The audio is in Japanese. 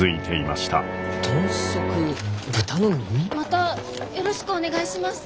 またよろしくお願いします。